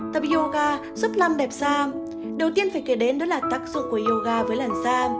tập yoga giúp làm đẹp da đầu tiên phải kể đến đó là tác dụng của yoga với làn da